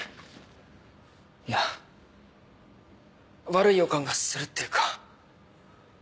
いや悪い予感がするっていうか。